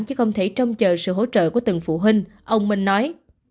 chứ không thể trông chờ sự hỗ trợ của từng phụ huynh ông minh nói